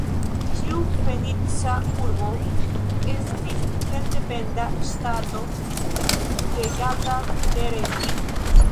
Ĉiu Fenica urbo estis sendependa ŝtato regata de reĝo.